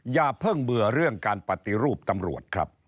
อย่าเพิ่งเบื่อเรื่องการปฏิรูปตำรวจครับ